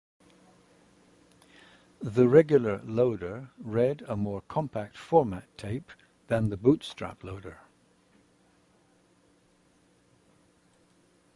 The regular loader read a more compact format tape than the bootstrap loader.